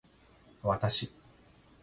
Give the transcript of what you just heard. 私